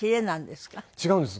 違うんです。